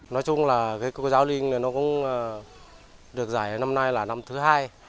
nói chung là cô giáo linh nó cũng được giải năm nay là năm thứ hai